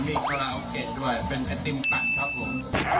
มีคาราโอเกะด้วยเป็นไอติมตัดครับผม